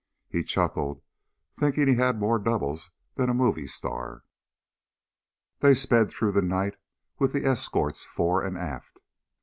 He chuckled, thinking he had more doubles than a movie star. They sped through the night with the escorts fore and aft.